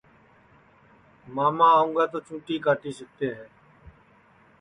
ماما آونگا تو چُوٹی کاٹی سِکتے ہے